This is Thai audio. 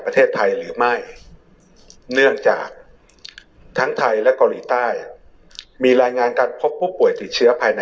ประเทศไทยหรือไม่เนื่องจากทั้งไทยและ